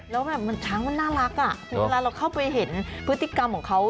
แล้วแบบมันช้างมันน่ารักอ่ะคือเวลาเราเข้าไปเห็นพฤติกรรมของเขา